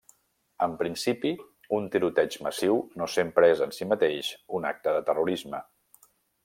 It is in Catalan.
En principi, un tiroteig massiu no sempre és, en si mateix, un acte de terrorisme.